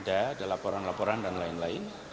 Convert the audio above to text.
ada laporan laporan dan lainnya